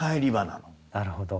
なるほど。